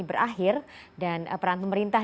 berakhir dan peran pemerintah